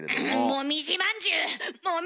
もみじまんじゅう！